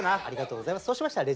ありがとうございます。